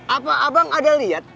apa abang ada lihat